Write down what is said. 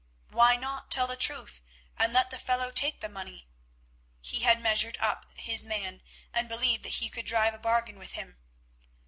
Why not tell the truth and let the fellow take the money? He had measured up his man, and believed that he could drive a bargain with him.